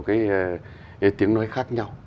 cái tiếng nói khác nhau